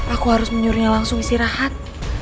aku harus menyuruhnya langsung istirahat